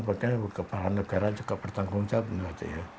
makanya kepala negara juga bertanggung jawab